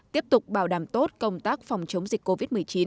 tiếp tục bảo đảm tốt công tác phòng chống dịch covid một mươi chín